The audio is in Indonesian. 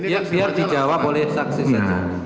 ya biar dijawab oleh saksi saja